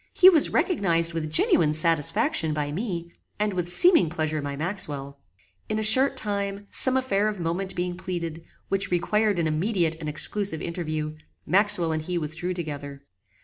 He was recognized with genuine satisfaction by me, and with seeming pleasure by Maxwell. In a short time, some affair of moment being pleaded, which required an immediate and exclusive interview, Maxwell and he withdrew together.